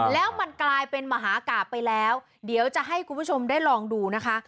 แล้วมันกลายเป็นมหากราบไปแล้วเดี๋ยวจะให้คุณผู้ชมได้ลองดูนะคะ